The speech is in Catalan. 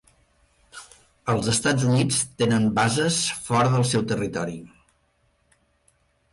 Els Estats Units tenen bases fora del seu territori.